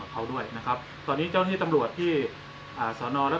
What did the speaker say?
กับเขาด้วยนะครับตอนนี้เจ้าที่ตำรวดที่อ่าสนแล้ว